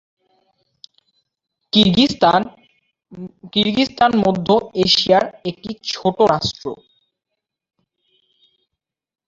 কিরগিজস্তান মধ্য এশিয়ার একটি ছোট রাষ্ট্র।